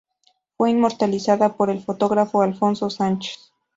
Fue inmortalizada por el fotógrafo Alfonso Sánchez.